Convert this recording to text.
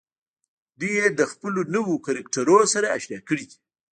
دوی يې له خپلو نويو کرکټرونو سره اشنا کړي دي.